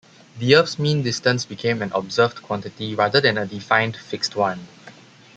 The Earth's mean distance became an observed quantity rather than a defined, fixed one.